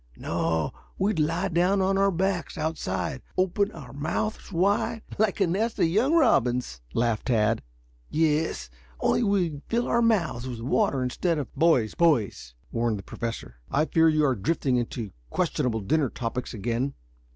"No; we'd lie down on our backs outside, open our mouths wide " "Like a nest of young robins," laughed Tad. "Yes. Only we'd fill our mouths with water instead of " "Boys, boys!" warned the Professor. "I fear you are drifting into questionable dinner topics again."